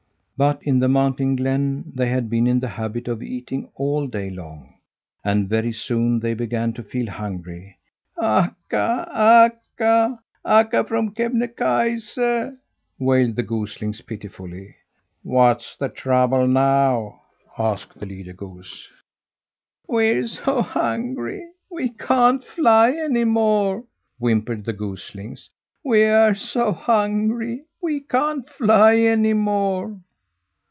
But in the mountain glen they had been in the habit of eating all day long, and very soon they began to feel hungry. "Akka, Akka, Akka from Kebnekaise!" wailed the goslings pitifully. "What's the trouble now?" asked the leader goose. "We're so hungry, we can't fly any more!" whimpered the goslings. "We're so hungry, we can't fly any more!"